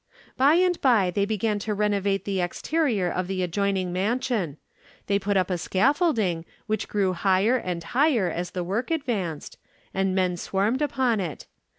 "By and by they began to renovate the exterior of the adjoining mansion. They put up a scaffolding, which grew higher and higher as the work advanced, and men swarmed upon it.